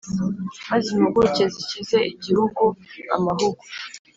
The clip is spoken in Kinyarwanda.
Maze impuguke zikize igihugu amahugu.